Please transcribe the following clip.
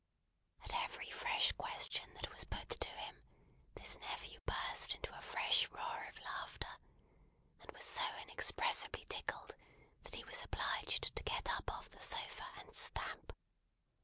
At every fresh question that was put to him, this nephew burst into a fresh roar of laughter; and was so inexpressibly tickled, that he was obliged to get up off the sofa and stamp.